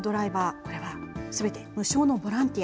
これはすべて無償のボランティア。